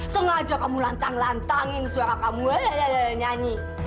sengaja kamu lantang lantangin suara kamu nyanyi